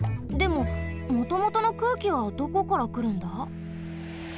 でももともとの空気はどこからくるんだ？